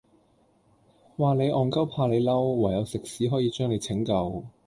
話你戇鳩怕你嬲，唯有食屎可以將你拯救